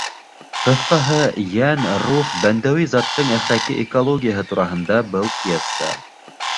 Ҡыҫҡаһы, йән, рух, бәндәүи заттың әхлаҡи экологияһы тураһында был пьеса.